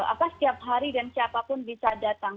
apa setiap hari dan siapapun bisa datang